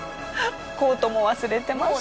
コートも忘れてました。